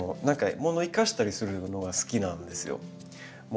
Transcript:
何かものを生かしたりするのが好きなんですよ。